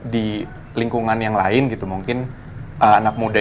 jangan jahatin aku deh